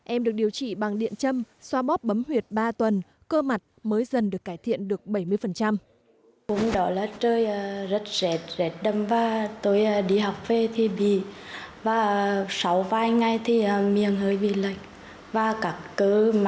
em được điều trị bằng điện châm xoa bóp bấm huyệt ba tuần cơ mặt mới dần được cải thiện được bảy mươi